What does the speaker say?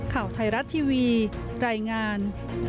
ข่าวไทยรัฐทีวีรายงาน